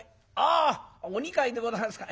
あお二階でございますか。